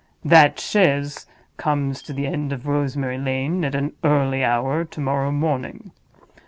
That chaise comes to the end of Rosemary Lane at an early hour to morrow morning.